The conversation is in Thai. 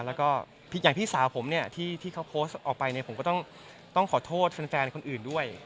แล้วก็อย่างพี่สาวผมเนี่ยที่เขาโพสต์ออกไปเนี่ยผมก็ต้องขอโทษแฟนคนอื่นด้วย